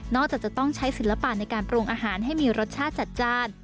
จากจะต้องใช้ศิลปะในการปรุงอาหารให้มีรสชาติจัดจ้าน